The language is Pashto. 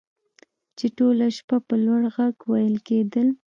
چې ټوله شپه په لوړ غږ ویل کیدل